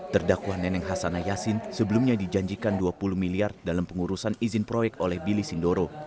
terdakwa neneng hasane yasin sebelumnya dijanjikan dua tahun